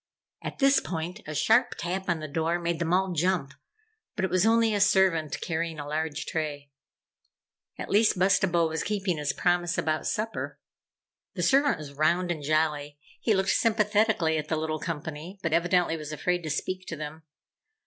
At this point a sharp tap on the door made them all jump, but it was only a servant carrying a large tray. At least, Bustabo was keeping his promise about supper. The servant was round and jolly. He looked sympathetically at the little company, but evidently was afraid to speak to them.